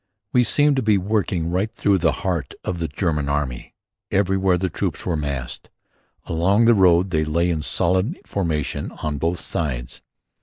We seemed to be working right through the heart of the German Army. Everywhere the troops were massed. Along the road they lay in solid formation on both sides.